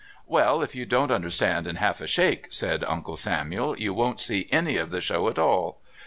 "Well, if you don't understand in half a shake," said Uncle Samuel, "you won't see any of the show at all.